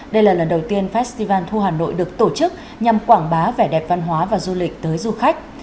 đây là lần đầu tiên festival thu hà nội được tổ chức nhằm quảng bá vẻ đẹp văn hóa và du lịch tới du khách